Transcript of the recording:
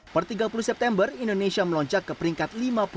per tiga puluh september indonesia melonjak ke peringkat lima puluh dua